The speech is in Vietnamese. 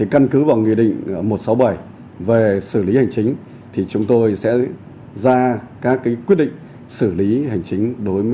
căn cứ vào nghị định một trăm sáu mươi bảy về xử lý hành chính thì chúng tôi sẽ ra các quyết định xử lý hành chính